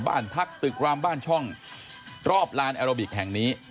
บ้านพักตึกรามบ้านช่องรอบลานแอโรบิกแห่งนี้